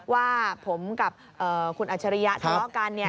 ว่าผมกับคุณอัจฉริยะทะเลาะกัน